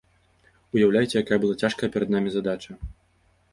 Уяўляеце, якая была цяжкая перад намі задача?